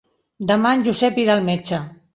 Demà en Josep irà al metge.